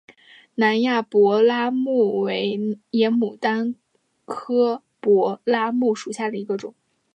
南亚柏拉木为野牡丹科柏拉木属下的一个种。